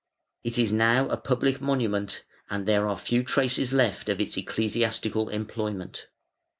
It is now a "public monument" and there are few traces left of its ecclesiastical employment.